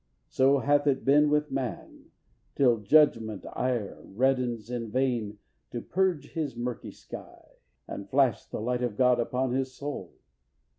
So hath it been with man, till judgment ire Reddens in vain to purge his murky sky And flash the light of God upon his soul.